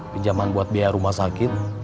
pinjaman buat biaya rumah sakit